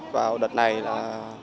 vào đợt này là